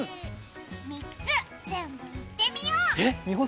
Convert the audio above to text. ３つ全部言ってみよう。